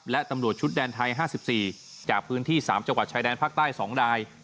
และตำลวจชุดแดนไทยห้าสิบสี่จากพื้นที่สามจังหวัดชายแดนภาคใต้สองดาย